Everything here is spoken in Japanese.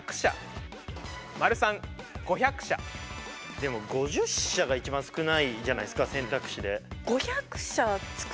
でも５０社が一番少ないじゃないですか選択肢で。